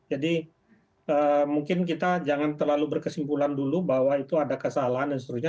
jadi mungkin kita jangan terlalu berkesimpulan dulu bahwa itu ada kesalahan dan sebagainya